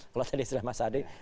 kalau tadi istilah mas adi